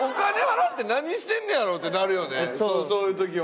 そういう時は。